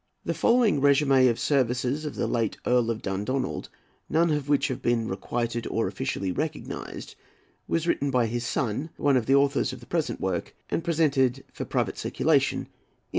The following "Resumé of the Services of the late Earl of Dundonald, none of which have been Requited or Officially Recognized," was written by his son, one of the authors of the present work, and printed for private circulation in 1861.